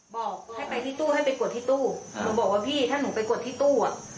บอกถ้าไปที่ตู้ให้ไปกดที่ตู้